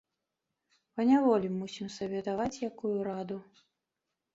Паняволі мусім сабе даваць якую раду.